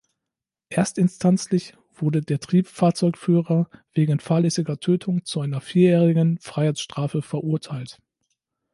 Erstinstanzlich wurde der Triebfahrzeugführer wegen fahrlässiger Tötung zu einer vierjährigen Freiheitsstrafe verurteilt.